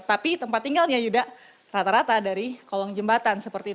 tapi tempat tinggalnya yuda rata rata dari kolong jembatan